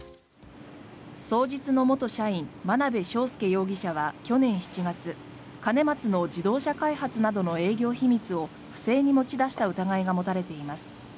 双日の元社員眞鍋昌奨容疑者は去年７月兼松の自動車開発などの営業秘密を不正に持ち出した疑いが持たれています。